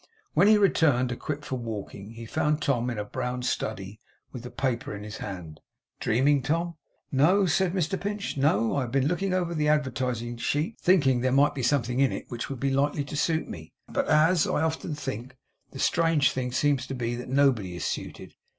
When he returned, equipped for walking, he found Tom in a brown study, with the paper in his hand. 'Dreaming, Tom?' 'No,' said Mr Pinch, 'No. I have been looking over the advertising sheet, thinking there might be something in it which would be likely to suit me. But, as I often think, the strange thing seems to be that nobody is suited.